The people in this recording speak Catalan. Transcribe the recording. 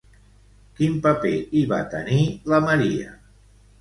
Quin paper hi va tenir la Maria?